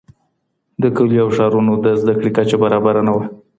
د کلیو او ښارونو د زده کړې کچه برابره نه وه.